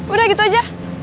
udah gitu aja